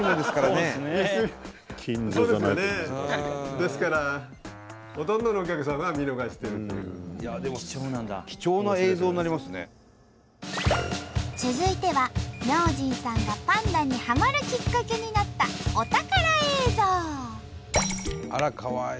ですから続いては明神さんがパンダにはまるきっかけになったあらかわいい。